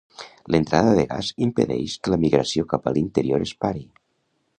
L'entrada de gas impedeix que la migració cap a l'interior es pari.